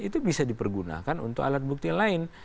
itu bisa dipergunakan untuk alat bukti lain